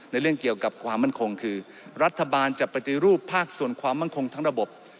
เรื่องเกี่ยวกับความมั่นคงคือรัฐบาลจะปฏิรูปภาคส่วนความมั่นคงทั้งระบบ